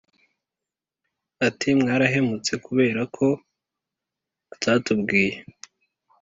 ati mwarahemutse kubera ko mutatubwiye